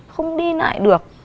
không đi lại được